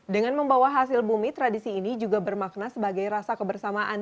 dengan membawa hasil bumi tradisi ini juga bermakna sebagai rasa kebersamaan